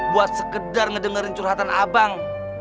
buat sekedar ngedengerin curhatan abang